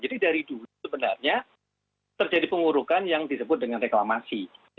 jadi dari dulu sebenarnya terjadi pengurukan yang disebut dengan reklamasi